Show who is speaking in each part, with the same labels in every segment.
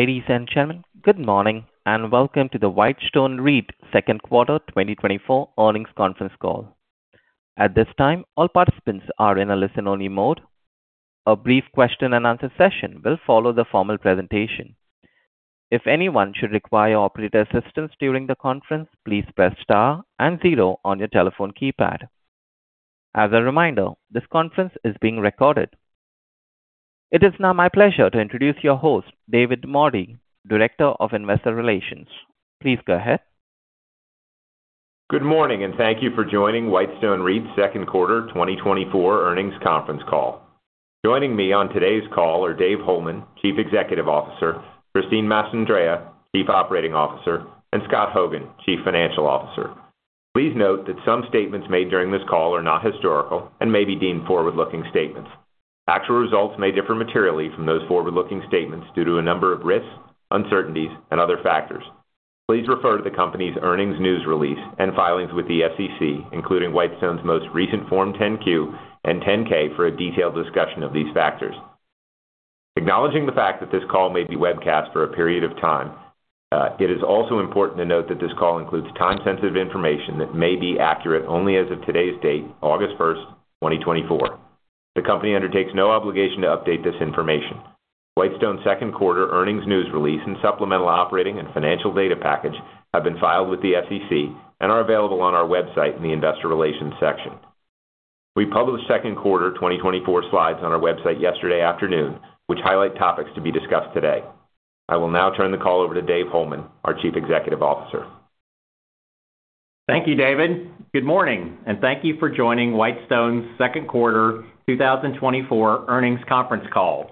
Speaker 1: Ladies and gentlemen, good morning and welcome to the Whitestone REIT second quarter 2024 earnings conference call. At this time, all participants are in a listen-only mode. A brief question-and-answer session will follow the formal presentation. If anyone should require operator assistance during the conference, please press star and zero on your telephone keypad. As a reminder, this conference is being recorded. It is now my pleasure to introduce your host, David Mordy, Director of Investor Relations. Please go ahead.
Speaker 2: Good morning and thank you for joining Whitestone REIT second quarter 2024 earnings conference call. Joining me on today's call are Dave Holeman, Chief Executive Officer, Christine Mastandrea, Chief Operating Officer, and Scott Hogan, Chief Financial Officer. Please note that some statements made during this call are not historical and may be deemed forward-looking statements. Actual results may differ materially from those forward-looking statements due to a number of risks, uncertainties, and other factors. Please refer to the company's earnings news release and filings with the SEC, including Whitestone's most recent Form 10-Q and 10-K, for a detailed discussion of these factors. Acknowledging the fact that this call may be webcast for a period of time, it is also important to note that this call includes time-sensitive information that may be accurate only as of today's date, August 1st, 2024. The company undertakes no obligation to update this information. Whitestone's Second Quarter earnings news release and supplemental operating and financial data package have been filed with the SEC and are available on our website in the Investor Relations section. We published second quarter 2024 slides on our website yesterday afternoon, which highlight topics to be discussed today. I will now turn the call over to Dave Holeman, our Chief Executive Officer.
Speaker 3: Thank you, David. Good morning and thank you for joining Whitestone's Second Quarter 2024 Earnings Conference call.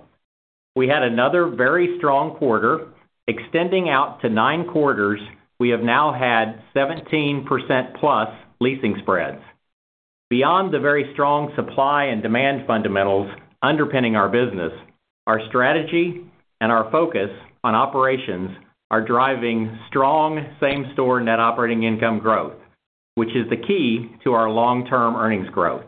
Speaker 3: We had another very strong quarter. Extending out to nine quarters, we have now had 17%+ leasing spreads. Beyond the very strong supply and demand fundamentals underpinning our business, our strategy and our focus on operations are driving strong same-store net operating income growth, which is the key to our long-term earnings growth.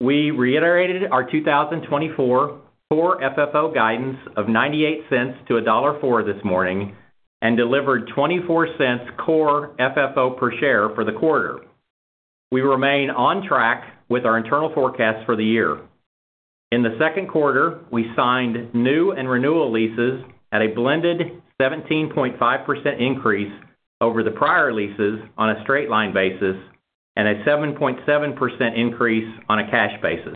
Speaker 3: We reiterated our 2024 core FFO guidance of $0.98-$1.04 this morning and delivered $0.24 core FFO per share for the quarter. We remain on track with our internal forecast for the year. In the second quarter, we signed new and renewal leases at a blended 17.5% increase over the prior leases on a straight-line basis and a 7.7% increase on a cash basis.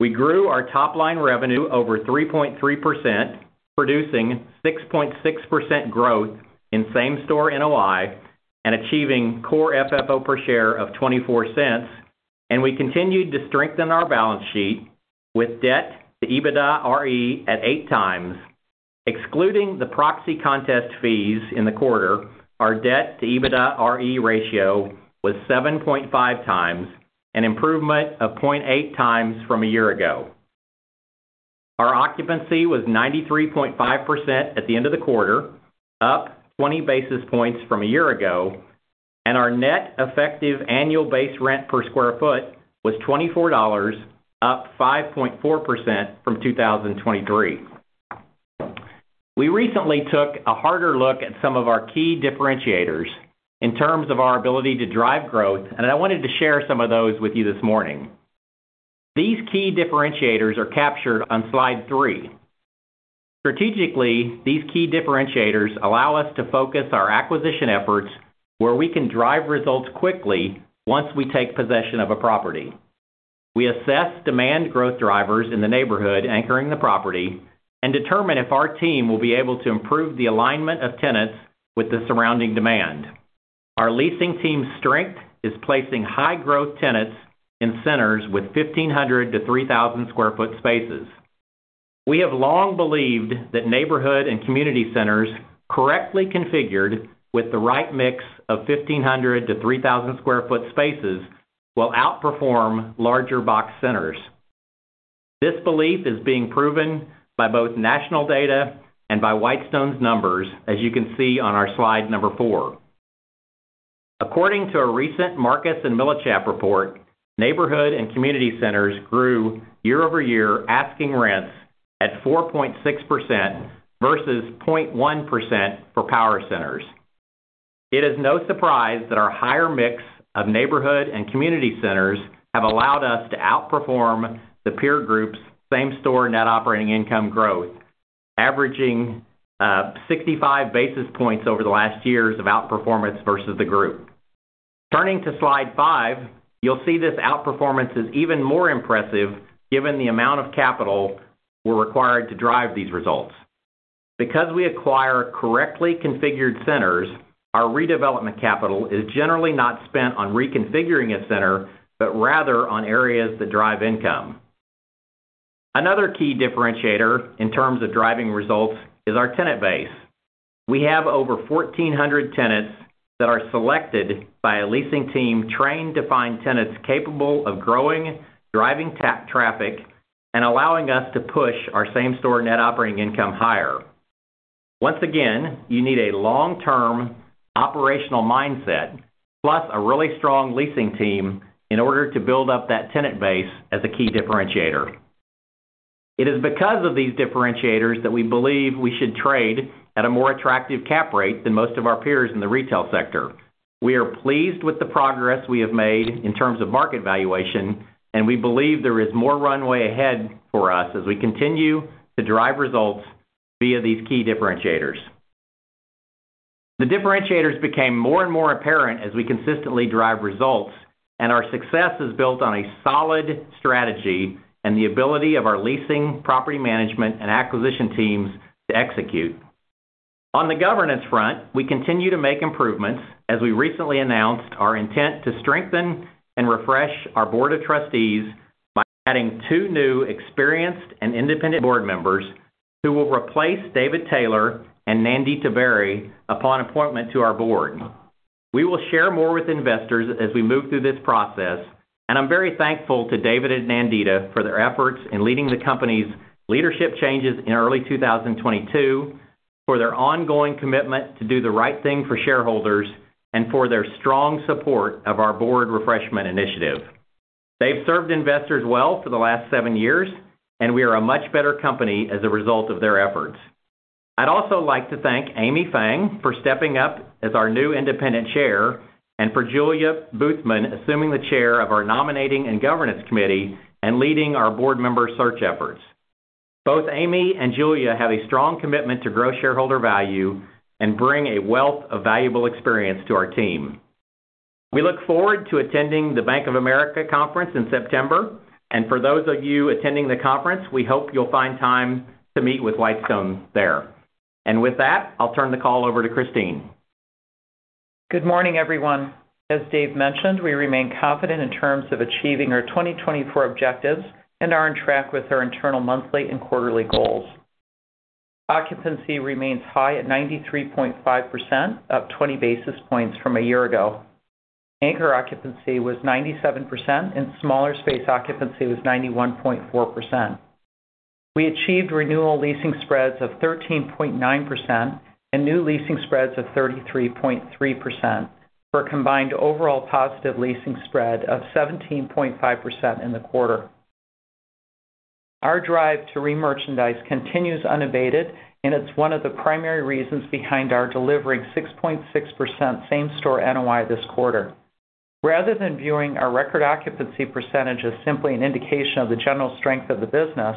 Speaker 3: We grew our top-line revenue over 3.3%, producing 6.6% growth in Same-Store NOI and achieving Core FFO per share of $0.24, and we continued to strengthen our balance sheet with debt to EBITDAre at 8 times. Excluding the proxy contest fees in the quarter, our debt to EBITDAre ratio was 7.5 times and improvement of 0.8 times from a year ago. Our occupancy was 93.5% at the end of the quarter, up 20 basis points from a year ago, and our net effective annual base rent per square foot was $24, up 5.4% from 2023. We recently took a harder look at some of our key differentiators in terms of our ability to drive growth, and I wanted to share some of those with you this morning. These key differentiators are captured on slide 3. Strategically, these key differentiators allow us to focus our acquisition efforts where we can drive results quickly once we take possession of a property. We assess demand growth drivers in the neighborhood anchoring the property and determine if our team will be able to improve the alignment of tenants with the surrounding demand. Our leasing team's strength is placing high-growth tenants in centers with 1,500-3,000 sq ft spaces. We have long believed that neighborhood and community centers, correctly configured with the right mix of 1,500-3,000 sq ft spaces, will outperform larger box centers. This belief is being proven by both national data and by Whitestone's numbers, as you can see on our slide number four. According to a recent Marcus & Millichap report, neighborhood and community centers grew year-over-year asking rents at 4.6% versus 0.1% for power centers. It is no surprise that our higher mix of neighborhood and community centers have allowed us to outperform the peer group's same-store net operating income growth, averaging 65 basis points over the last years of outperformance versus the group. Turning to slide 5, you'll see this outperformance is even more impressive given the amount of capital we're required to drive these results. Because we acquire correctly configured centers, our redevelopment capital is generally not spent on reconfiguring a center, but rather on areas that drive income. Another key differentiator in terms of driving results is our tenant base. We have over 1,400 tenants that are selected by a leasing team trained to find tenants capable of growing, driving traffic, and allowing us to push our same-store net operating income higher. Once again, you need a long-term operational mindset plus a really strong leasing team in order to build up that tenant base as a key differentiator. It is because of these differentiators that we believe we should trade at a more attractive cap rate than most of our peers in the retail sector. We are pleased with the progress we have made in terms of market valuation, and we believe there is more runway ahead for us as we continue to drive results via these key differentiators. The differentiators became more and more apparent as we consistently drive results, and our success is built on a solid strategy and the ability of our leasing, property management, and acquisition teams to execute. On the governance front, we continue to make improvements as we recently announced our intent to strengthen and refresh our board of trustees by adding two new experienced and independent board members who will replace David Taylor and Nandita Berry upon appointment to our board. We will share more with investors as we move through this process, and I'm very thankful to David and Nandita for their efforts in leading the company's leadership changes in early 2022, for their ongoing commitment to do the right thing for shareholders, and for their strong support of our board refreshment initiative. They've served investors well for the last seven years, and we are a much better company as a result of their efforts. I'd also like to thank Amy Feng for stepping up as our new Independent Chair and for Julia Buthman assuming the Chair of our Nominating and Governance Committee and leading our board member search efforts. Both Amy and Julia have a strong commitment to grow shareholder value and bring a wealth of valuable experience to our team. We look forward to attending the Bank of America Conference in September, and for those of you attending the conference, we hope you'll find time to meet with Whitestone there. With that, I'll turn the call over to Christine.
Speaker 4: Good morning, everyone. As Dave mentioned, we remain confident in terms of achieving our 2024 objectives and are on track with our internal monthly and quarterly goals. Occupancy remains high at 93.5%, up 20 basis points from a year ago. Anchor occupancy was 97%, and smaller space occupancy was 91.4%. We achieved renewal leasing spreads of 13.9% and new leasing spreads of 33.3% for a combined overall positive leasing spread of 17.5% in the quarter. Our drive to re-merchandise continues unabated, and it's one of the primary reasons behind our delivering 6.6% same-store NOI this quarter. Rather than viewing our record occupancy percentage as simply an indication of the general strength of the business,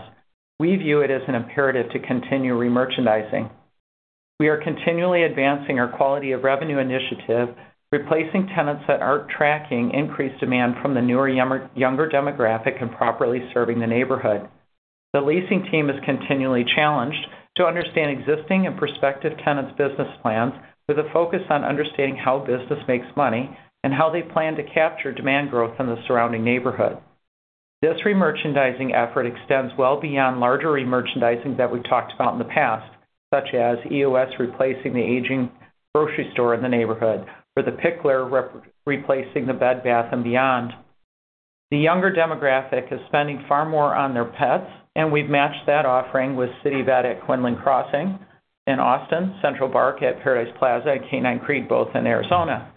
Speaker 4: we view it as an imperative to continue re-merchandising. We are continually advancing our quality of revenue initiative, replacing tenants that aren't tracking increased demand from the newer younger demographic and properly serving the neighborhood. The leasing team is continually challenged to understand existing and prospective tenants' business plans with a focus on understanding how business makes money and how they plan to capture demand growth in the surrounding neighborhood. This re-merchandising effort extends well beyond larger re-merchandising that we've talked about in the past, such as EoS replacing the aging grocery store in the neighborhood or The Picklr replacing the Bed Bath & Beyond. The younger demographic is spending far more on their pets, and we've matched that offering with CityVet at Quinlan Crossing in Austin, Central Bark at Paradise Plaza, and Canine Creek both in Arizona.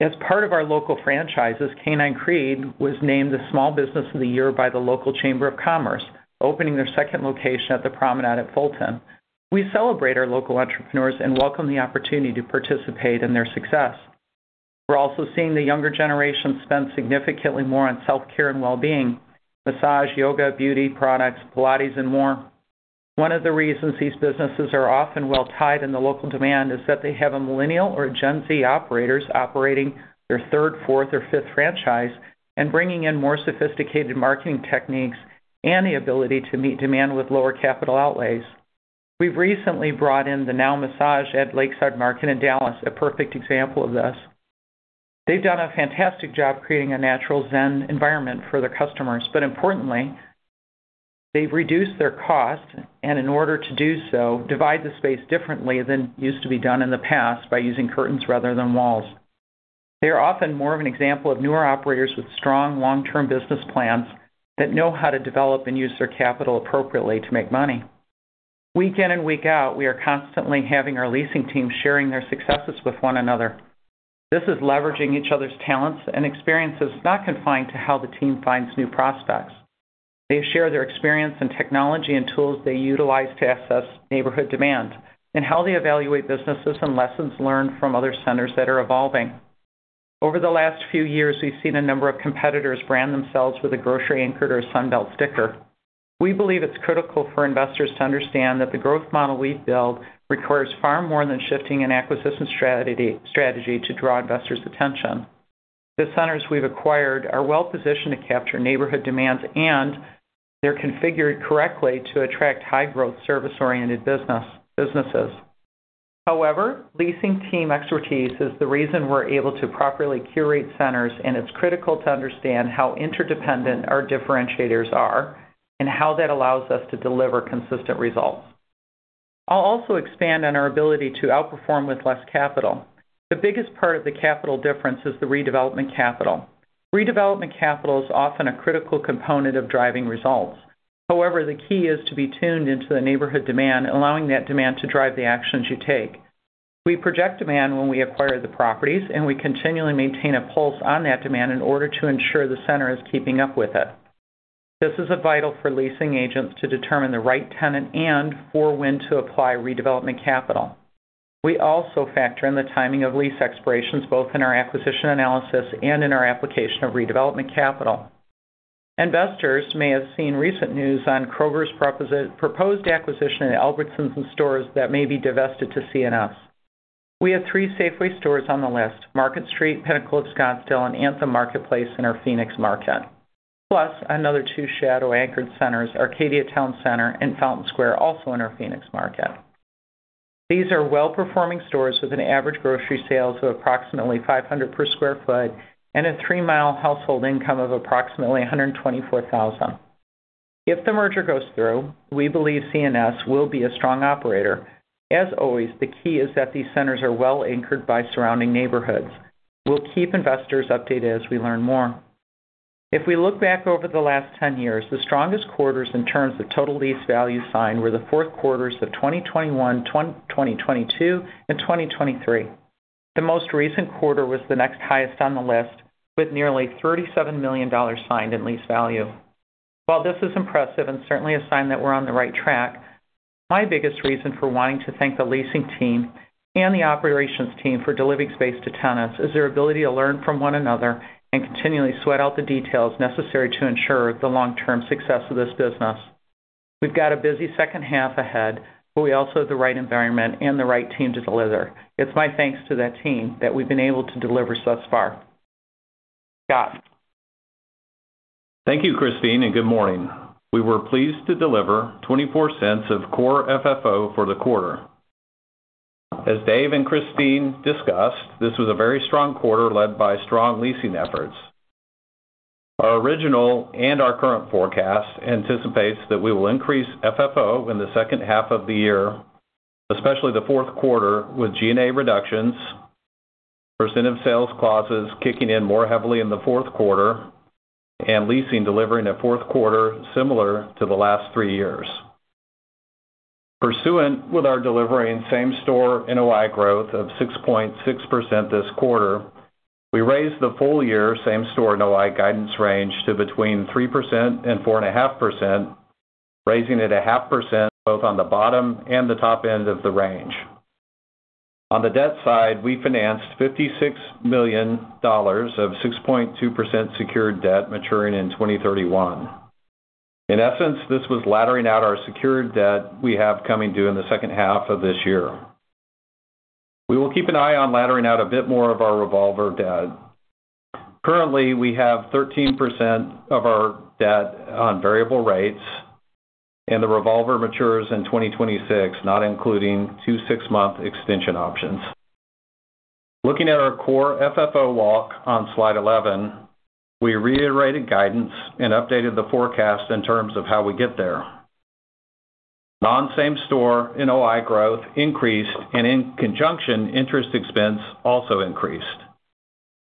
Speaker 4: As part of our local franchises, Canine Creek was named the Small Business of the Year by the local Chamber of Commerce, opening their second location at the Promenade at Fulton. We celebrate our local entrepreneurs and welcome the opportunity to participate in their success. We're also seeing the younger generation spend significantly more on self-care and well-being: massage, yoga, beauty products, Pilates, and more. One of the reasons these businesses are often well tied in the local demand is that they have a millennial or a Gen Z operators operating their third, fourth, or fifth franchise and bringing in more sophisticated marketing techniques and the ability to meet demand with lower capital outlays. We've recently brought in The NOW Massage at Lakeside Market in Dallas, a perfect example of this. They've done a fantastic job creating a natural zen environment for their customers, but importantly, they've reduced their cost and, in order to do so, divide the space differently than used to be done in the past by using curtains rather than walls. They are often more of an example of newer operators with strong long-term business plans that know how to develop and use their capital appropriately to make money. Week in and week out, we are constantly having our leasing team sharing their successes with one another. This is leveraging each other's talents and experiences, not confined to how the team finds new prospects. They share their experience and technology and tools they utilize to assess neighborhood demand and how they evaluate businesses and lessons learned from other centers that are evolving. Over the last few years, we've seen a number of competitors brand themselves with a grocery anchored or Sunbelt sticker. We believe it's critical for investors to understand that the growth model we build requires far more than shifting an acquisition strategy to draw investors' attention. The centers we've acquired are well positioned to capture neighborhood demands and they're configured correctly to attract high-growth service-oriented businesses. However, leasing team expertise is the reason we're able to properly curate centers, and it's critical to understand how interdependent our differentiators are and how that allows us to deliver consistent results. I'll also expand on our ability to outperform with less capital. The biggest part of the capital difference is the redevelopment capital. Redevelopment capital is often a critical component of driving results. However, the key is to be tuned into the neighborhood demand, allowing that demand to drive the actions you take. We project demand when we acquire the properties, and we continually maintain a pulse on that demand in order to ensure the center is keeping up with it. This is vital for leasing agents to determine the right tenant and for when to apply redevelopment capital. We also factor in the timing of lease expirations, both in our acquisition analysis and in our application of redevelopment capital. Investors may have seen recent news on Kroger's proposed acquisition at Albertsons and stores that may be divested to C&S. We have three Safeway stores on the list: Market Street, Pinnacle of Scottsdale, and Anthem Marketplace in our Phoenix Market, plus another two shadow anchored centers, Arcadia Town Center and Fountain Square, also in our Phoenix Market. These are well-performing stores with an average grocery sales of approximately $500 per sq ft and a three-mile household income of approximately $124,000. If the merger goes through, we believe C&S will be a strong operator. As always, the key is that these centers are well anchored by surrounding neighborhoods. We'll keep investors updated as we learn more. If we look back over the last 10 years, the strongest quarters in terms of total lease value signed were the fourth quarters of 2021, 2022, and 2023. The most recent quarter was the next highest on the list, with nearly $37 million signed in lease value. While this is impressive and certainly a sign that we're on the right track, my biggest reason for wanting to thank the leasing team and the operations team for delivering space to tenants is their ability to learn from one another and continually sweat out the details necessary to ensure the long-term success of this business. We've got a busy second half ahead, but we also have the right environment and the right team to deliver. It's my thanks to that team that we've been able to deliver so far. Scott.
Speaker 5: Thank you, Christine, and good morning. We were pleased to deliver $0.24 of core FFO for the quarter. As Dave and Christine discussed, this was a very strong quarter led by strong leasing efforts. Our original and our current forecast anticipates that we will increase FFO in the second half of the year, especially the fourth quarter with G&A reductions, percent of sales clauses kicking in more heavily in the fourth quarter, and leasing delivering a fourth quarter similar to the last three years. Pursuant with our delivering same-store NOI growth of 6.6% this quarter, we raised the full year same-store NOI guidance range to between 3%-4.5%, raising it 0.5% both on the bottom and the top end of the range. On the debt side, we financed $56 million of 6.2% secured debt maturing in 2031. In essence, this was laddering out our secured debt we have coming due in the second half of this year. We will keep an eye on laddering out a bit more of our revolver debt. Currently, we have 13% of our debt on variable rates, and the revolver matures in 2026, not including 2 six-month extension options. Looking at our Core FFO walk on slide 11, we reiterated guidance and updated the forecast in terms of how we get there. Non-same-store NOI growth increased, and in conjunction, interest expense also increased.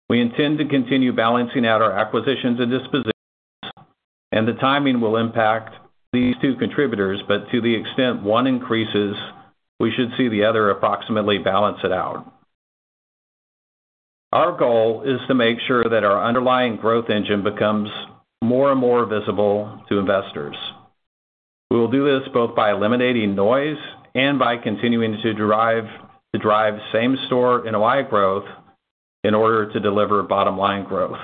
Speaker 5: We intend to continue balancing out our acquisitions and dispositions, and the timing will impact these two contributors, but to the extent one increases, we should see the other approximately balance it out. Our goal is to make sure that our underlying growth engine becomes more and more visible to investors. We will do this both by eliminating noise and by continuing to drive same-store NOI growth in order to deliver bottom-line growth.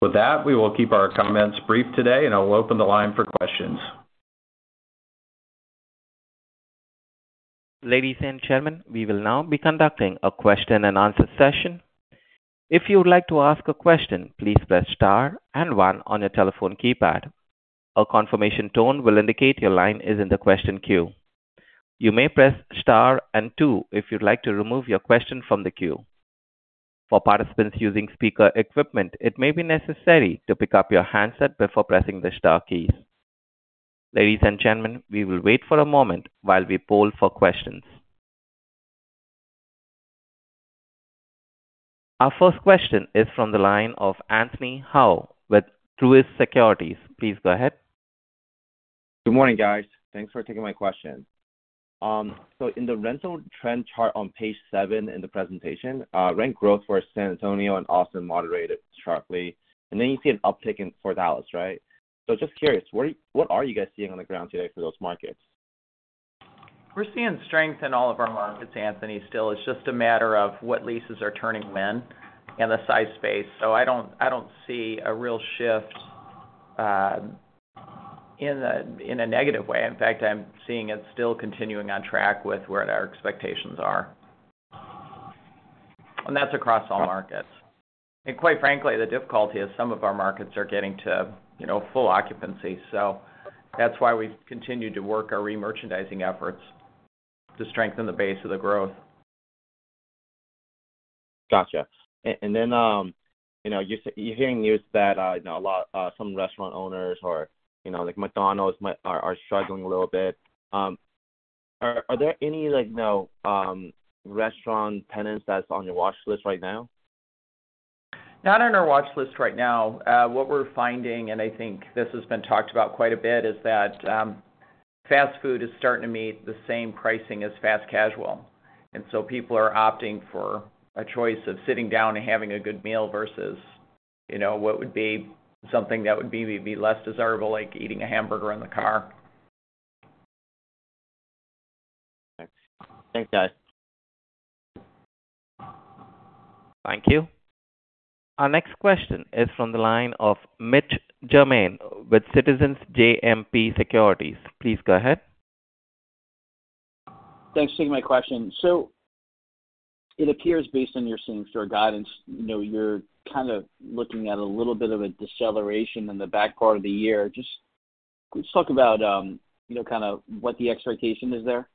Speaker 5: With that, we will keep our comments brief today, and I'll open the line for questions.
Speaker 1: Ladies and gentlemen, we will now be conducting a question-and-answer session. If you would like to ask a question, please press star and one on your telephone keypad. A confirmation tone will indicate your line is in the question queue. You may press star and two if you'd like to remove your question from the queue. For participants using speaker equipment, it may be necessary to pick up your handset before pressing the star keys. Ladies and gentlemen, we will wait for a moment while we poll for questions. Our first question is from the line of Anthony Hau with Truist Securities. Please go ahead.
Speaker 6: Good morning, guys. Thanks for taking my question. So in the rental trend chart on page seven in the presentation, rent growth for San Antonio and Austin moderated sharply, and then you see an uptick for Dallas, right? So just curious, what are you guys seeing on the ground today for those markets?
Speaker 4: We're seeing strength in all of our markets, Anthony. Still, it's just a matter of what leases are turning when and the size space. So I don't see a real shift in a negative way. In fact, I'm seeing it still continuing on track with where our expectations are. And that's across all markets. And quite frankly, the difficulty is some of our markets are getting to full occupancy. So that's why we've continued to work our re-merchandising efforts to strengthen the base of the growth.
Speaker 6: Gotcha. And then you're hearing news that some restaurant owners or McDonald's are struggling a little bit. Are there any restaurant tenants that's on your watch list right now?
Speaker 4: Not on our watch list right now. What we're finding, and I think this has been talked about quite a bit, is that fast food is starting to meet the same pricing as fast casual. And so people are opting for a choice of sitting down and having a good meal versus what would be something that would be less desirable, like eating a hamburger in the car.
Speaker 6: Okay. Thanks, guys.
Speaker 1: Thank you. Our next question is from the line of Mitch Germain with Citizens JMP Securities. Please go ahead.
Speaker 7: Thanks for taking my question. So it appears based on your same-store guidance, you're kind of looking at a little bit of a deceleration in the back part of the year. Just let's talk about kind of what the expectation is there.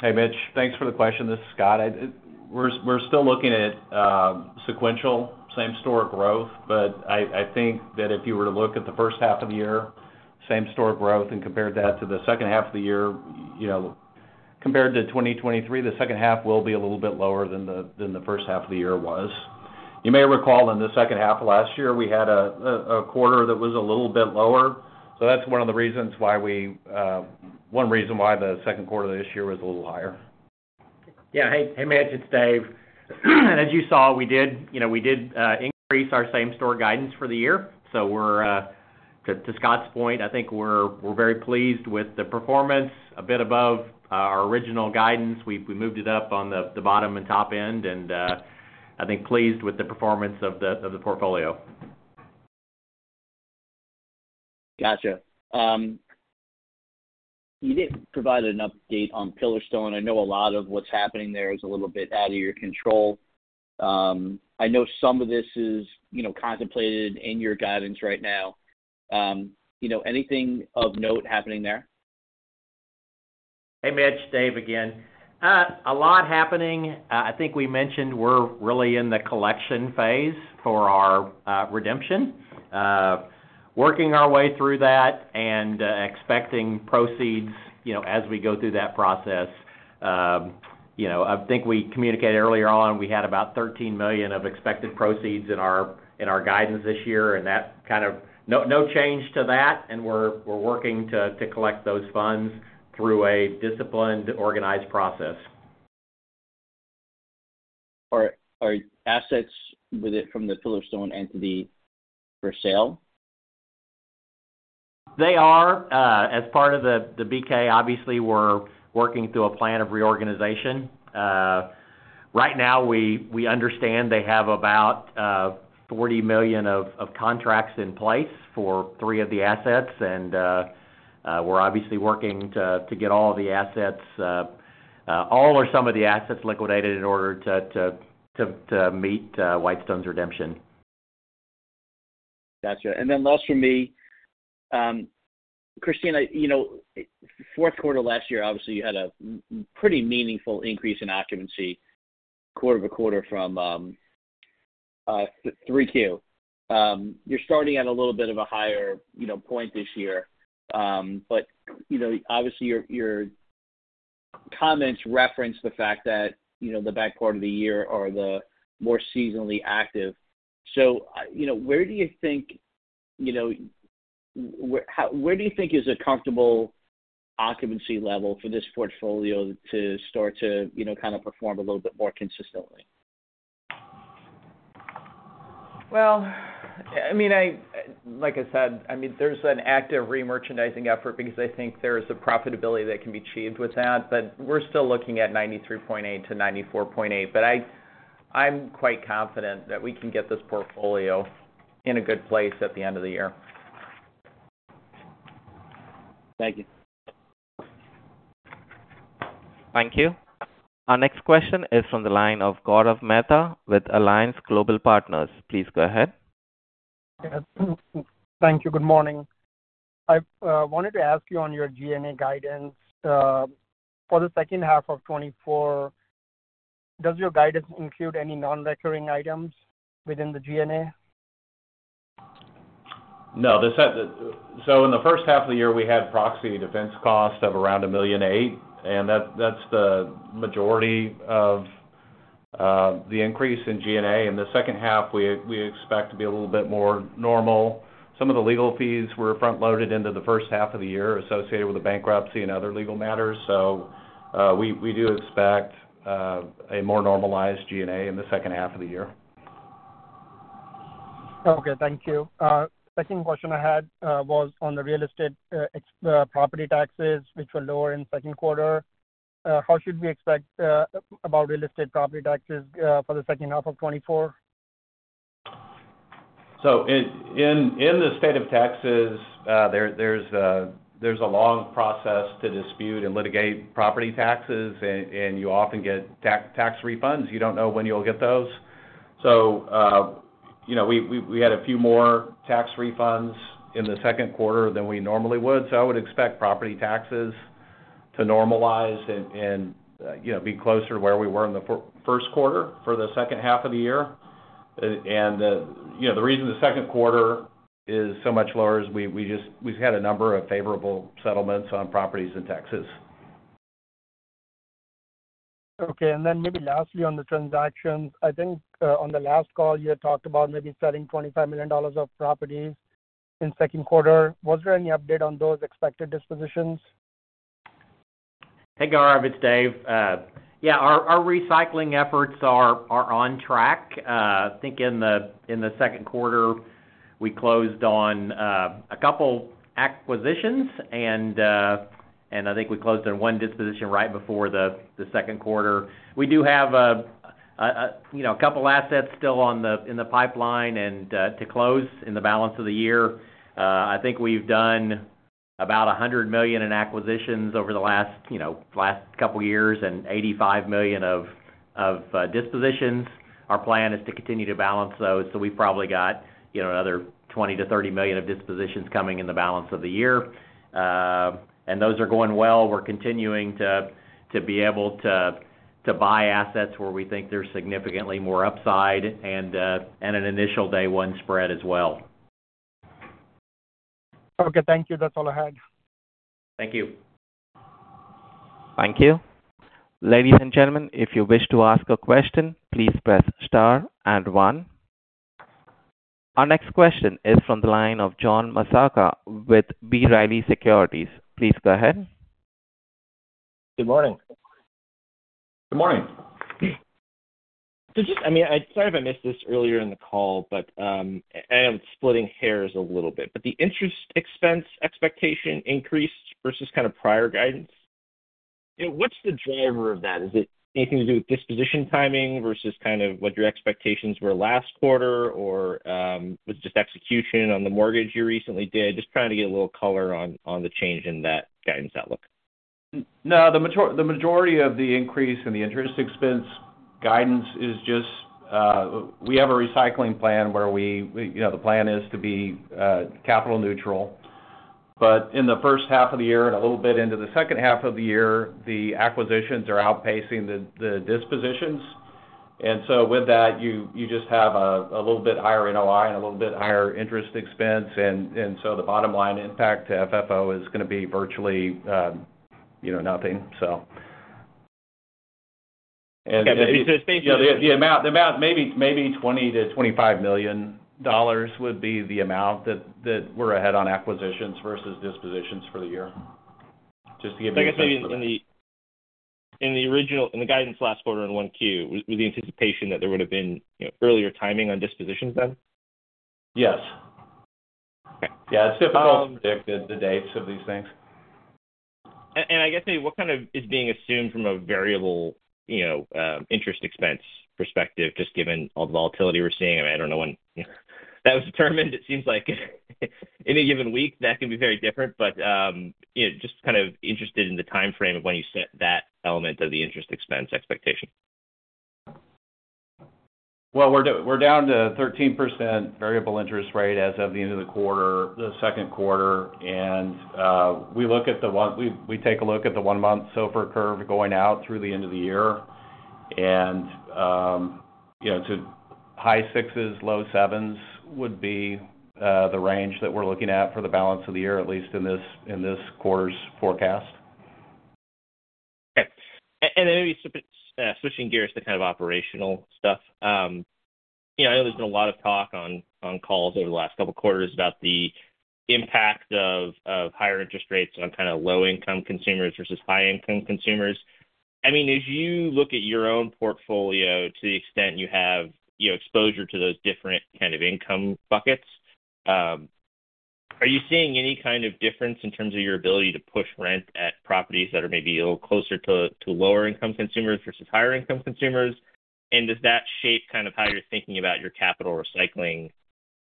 Speaker 5: Hey, Mitch. Thanks for the question. This is Scott. We're still looking at sequential same-store growth, but I think that if you were to look at the first half of the year, same-store growth and compared that to the second half of the year, compared to 2023, the second half will be a little bit lower than the first half of the year was. You may recall in the second half of last year, we had a quarter that was a little bit lower. So that's one of the reasons why—one reason why the second quarter of this year was a little higher.
Speaker 3: Yeah. Hey, Mitch. It's Dave. As you saw, we did increase our same-store guidance for the year. So to Scott's point, I think we're very pleased with the performance, a bit above our original guidance. We moved it up on the bottom and top end, and I think pleased with the performance of the portfolio.
Speaker 7: Gotcha. You did provide an update on Pillarstone. I know a lot of what's happening there is a little bit out of your control. I know some of this is contemplated in your guidance right now. Anything of note happening there?
Speaker 3: Hey, Mitch. Dave again. A lot happening. I think we mentioned we're really in the collection phase for our redemption, working our way through that and expecting proceeds as we go through that process. I think we communicated earlier on we had about $13 million of expected proceeds in our guidance this year, and that kind of, no change to that. And we're working to collect those funds through a disciplined, organized process.
Speaker 7: Are assets from the Pillarstone entity for sale?
Speaker 3: They are. As part of the BK, obviously, we're working through a plan of reorganization. Right now, we understand they have about $40 million of contracts in place for three of the assets, and we're obviously working to get all of the assets, all or some of the assets, liquidated in order to meet Whitestone's redemption.
Speaker 7: Gotcha. And then last for me, Christine, fourth quarter last year, obviously, you had a pretty meaningful increase in occupancy quarter to quarter from three Q. You're starting at a little bit of a higher point this year, but obviously, your comments reference the fact that the back part of the year are the more seasonally active. So where do you think, where do you think is a comfortable occupancy level for this portfolio to start to kind of perform a little bit more consistently?
Speaker 4: Well, I mean, like I said, I mean, there's an active re-merchandising effort because I think there is a profitability that can be achieved with that, but we're still looking at 93.8-94.8. But I'm quite confident that we can get this portfolio in a good place at the end of the year.
Speaker 7: Thank you.
Speaker 1: Thank you. Our next question is from the line of Gaurav Mehta with Alliance Global Partners. Please go ahead.
Speaker 8: Thank you. Good morning. I wanted to ask you on your G&A guidance for the second half of 2024, does your guidance include any non-recurring items within the G&A?
Speaker 5: No. So in the first half of the year, we had proxy defense costs of around $1.8 million, and that's the majority of the increase in G&A. In the second half, we expect to be a little bit more normal. Some of the legal fees were front-loaded into the first half of the year associated with the bankruptcy and other legal matters. So we do expect a more normalized G&A in the second half of the year.
Speaker 8: Okay. Thank you. Second question I had was on the real estate property taxes, which were lower in the second quarter. How should we expect about real estate property taxes for the second half of 2024?
Speaker 5: So in the state of Texas, there's a long process to dispute and litigate property taxes, and you often get tax refunds. You don't know when you'll get those. So we had a few more tax refunds in the second quarter than we normally would. So I would expect property taxes to normalize and be closer to where we were in the first quarter for the second half of the year. And the reason the second quarter is so much lower is we've had a number of favorable settlements on properties in Texas.
Speaker 8: Okay. And then maybe lastly on the transactions, I think on the last call, you had talked about maybe selling $25 million of properties in the second quarter. Was there any update on those expected dispositions?
Speaker 3: Hey, Gaurav. It's Dave. Yeah. Our recycling efforts are on track. I think in the second quarter, we closed on a couple of acquisitions, and I think we closed on one disposition right before the second quarter. We do have a couple of assets still in the pipeline to close in the balance of the year. I think we've done about $100 million in acquisitions over the last couple of years and $85 million of dispositions. Our plan is to continue to balance those. So we've probably got another $20 million-$30 million of dispositions coming in the balance of the year. And those are going well. We're continuing to be able to buy assets where we think there's significantly more upside and an initial day one spread as well.
Speaker 8: Okay. Thank you. That's all I had.
Speaker 3: Thank you.
Speaker 1: Thank you. Ladies and gentlemen, if you wish to ask a question, please press star and one. Our next question is from the line of John Massocca with B. Riley Securities. Please go ahead.
Speaker 9: Good morning.
Speaker 5: Good morning.
Speaker 9: I mean, I thought I missed this earlier in the call, but I am splitting hairs a little bit. But the interest expense expectation increased versus kind of prior guidance. What's the driver of that? Is it anything to do with disposition timing versus kind of what your expectations were last quarter, or was it just execution on the mortgage you recently did? Just trying to get a little color on the change in that guidance outlook.
Speaker 5: No. The majority of the increase in the interest expense guidance is just we have a recycling plan where the plan is to be capital neutral. But in the first half of the year and a little bit into the second half of the year, the acquisitions are outpacing the dispositions. And so with that, you just have a little bit higher NOI and a little bit higher interest expense. And so the bottom-line impact to FFO is going to be virtually nothing, so.
Speaker 9: Okay. So it's basically.
Speaker 5: The amount maybe $20 million-$25 million would be the amount that we're ahead on acquisitions versus dispositions for the year. Just to give you an example.
Speaker 9: I guess maybe in the guidance last quarter in 1Q, with the anticipation that there would have been earlier timing on dispositions then?
Speaker 5: Yes.
Speaker 9: Okay.
Speaker 5: Yeah. It's difficult to predict the dates of these things.
Speaker 9: And I guess maybe what kind of is being assumed from a variable interest expense perspective, just given all the volatility we're seeing? I mean, I don't know when that was determined. It seems like any given week, that can be very different. But just kind of interested in the timeframe of when you set that element of the interest expense expectation.
Speaker 5: Well, we're down to 13% variable interest rate as of the end of the quarter, the second quarter. And we look at the one-month SOFR curve going out through the end of the year. And so high 6s, low 7s would be the range that we're looking at for the balance of the year, at least in this quarter's forecast.
Speaker 9: Okay. And then maybe switching gears to kind of operational stuff. I know there's been a lot of talk on calls over the last couple of quarters about the impact of higher interest rates on kind of low-income consumers versus high-income consumers. I mean, as you look at your own portfolio to the extent you have exposure to those different kind of income buckets, are you seeing any kind of difference in terms of your ability to push rent at properties that are maybe a little closer to lower-income consumers versus higher-income consumers? And does that shape kind of how you're thinking about your capital recycling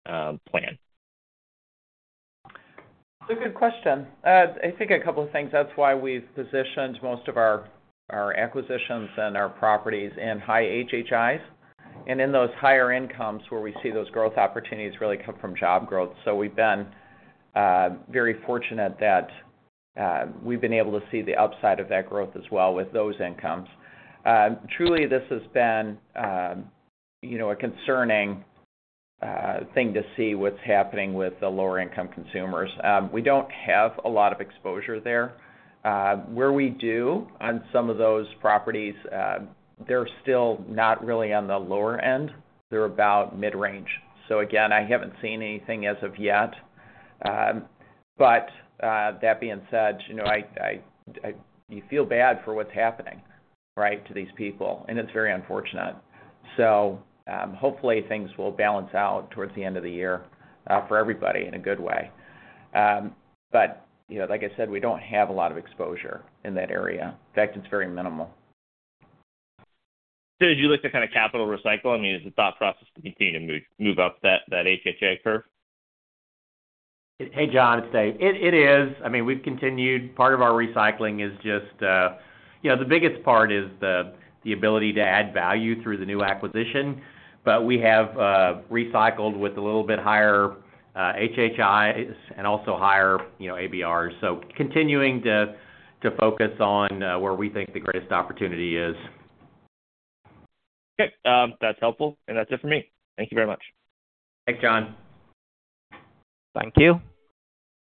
Speaker 9: plan?
Speaker 4: It's a good question. I think a couple of things. That's why we've positioned most of our acquisitions and our properties in high HHIs. And in those higher incomes where we see those growth opportunities really come from job growth. So we've been very fortunate that we've been able to see the upside of that growth as well with those incomes. Truly, this has been a concerning thing to see what's happening with the lower-income consumers. We don't have a lot of exposure there. Where we do on some of those properties, they're still not really on the lower end. They're about mid-range. So again, I haven't seen anything as of yet. But that being said, you feel bad for what's happening, right, to these people. And it's very unfortunate. So hopefully, things will balance out towards the end of the year for everybody in a good way. But like I said, we don't have a lot of exposure in that area. In fact, it's very minimal.
Speaker 9: Did you look to kind of capital recycle? I mean, is the thought process to continue to move up that HHI curve?
Speaker 3: Hey, John. It's Dave. It is. I mean, we've continued. Part of our recycling is just the biggest part is the ability to add value through the new acquisition. But we have recycled with a little bit higher HHIs and also higher ABRs. So continuing to focus on where we think the greatest opportunity is.
Speaker 9: Okay. That's helpful. That's it for me. Thank you very much.
Speaker 3: Thanks, John.
Speaker 1: Thank you.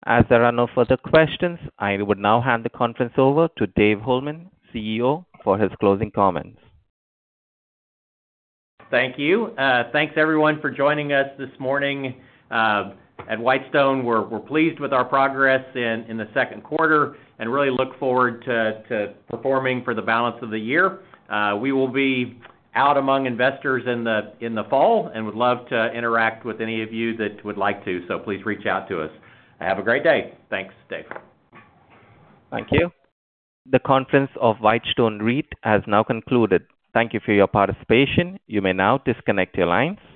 Speaker 1: As there are no further questions, I would now hand the conference over to Dave Holeman, CEO, for his closing comments.
Speaker 2: Thank you. Thanks, everyone, for joining us this morning at Whitestone. We're pleased with our progress in the second quarter and really look forward to performing for the balance of the year. We will be out among investors in the fall and would love to interact with any of you that would like to. So please reach out to us. Have a great day. Thanks, Dave.
Speaker 3: Thank you.
Speaker 1: The conference of Whitestone REIT has now concluded. Thank you for your participation. You may now disconnect your lines.